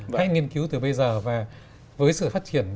hãy nghiên cứu từ bây giờ và với sự phát triển